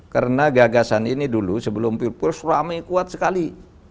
karena gagasan ini dulu sebelum pilpul surami kuat sekali